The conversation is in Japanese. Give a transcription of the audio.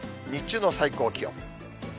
日中の最高気温。